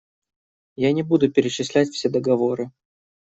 Я не буду перечислять все договоры.